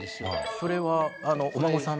それはお孫さん？